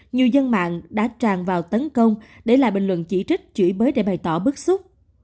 nhiều dân mạng đã tràn vào tấn công để lại bình luận chỉ trích chửi bới để bày tỏ bức xúc